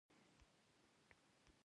دا یو عقلاني او عقلایي توافق ګڼل کیږي.